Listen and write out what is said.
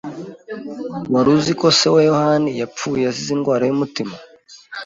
Wari uzi ko se wa Yohani yapfuye azize indwara y'umutima?